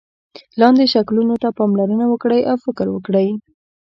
لاندې شکلونو ته پاملرنه وکړئ او فکر وکړئ.